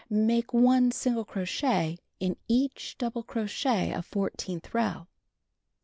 Make 1 single crochet in each double crochet of fourteenth row.